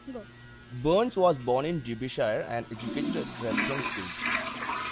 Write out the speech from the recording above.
Burns was born in Derbyshire, and educated at Repton School.